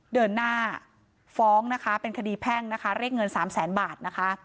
เดินหน้าฟ้องนะคะเป็นคดีแพ่งนะคะเรียกเงินสามแสนบาทนะคะ